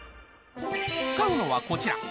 使うのはこちら。